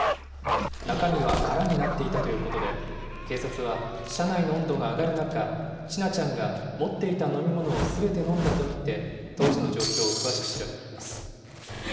中身は空になっていたということで、警察は車内の温度が上がる中、千奈ちゃんが持っていた飲み物をすべて飲んだと見て、当時の状況を詳しく調べています。